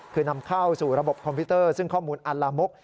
คือนำเข้าสู่ระบบคอมพิวเตอร์ซึ่งข้อมูลอัลลามก